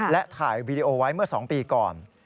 และถ่ายวีดีโอไว้เมื่อ๒ปีก่อน